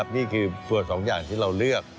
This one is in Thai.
นี่คือส่วนสองอย่างที่เราเลือก